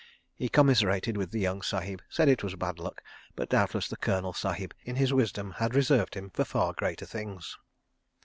He commiserated with the young Sahib, said it was bad luck, but doubtless the Colonel Sahib in his wisdom had reserved him for far greater things.